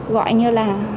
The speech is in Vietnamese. gọi như là